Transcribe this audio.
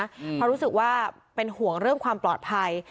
เพราะรู้สึกว่าเป็นห่วงเรื่องความปลอดภัย